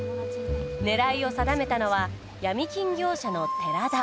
狙いを定めたのは闇金業者の寺田。